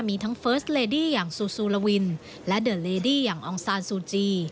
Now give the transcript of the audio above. มีทั้งเฟิร์สเลดี้อย่างซูซูลาวินและเดอร์เลดี้อย่างอองซานซูจี